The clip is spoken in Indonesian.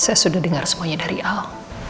saya sudah dengar semuanya dari awal